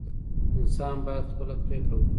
انسان باید خپله پرېکړه وکړي.